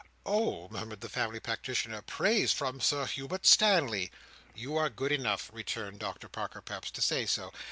"Oh!" murmured the family practitioner. "'Praise from Sir Hubert Stanley!'" "You are good enough," returned Doctor Parker Peps, "to say so.